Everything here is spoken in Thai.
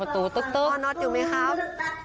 พ่อน็อตอยู่มั้ยครับ